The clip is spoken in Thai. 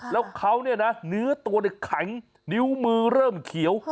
แล้วเขาเนื้อตัวในขังนิ้วมือเริ่มเขียว